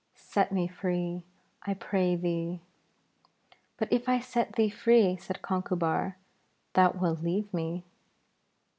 'Set me free, I pray thee.' 'But if I set thee free,' said Conchubar, 'thou wilt leave me.'